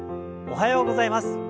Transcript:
おはようございます。